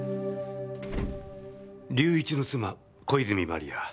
隆一の妻小泉万里亜。